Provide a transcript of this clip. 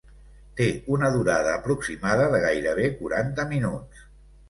Té una durada aproximada de gairebé quaranta minuts.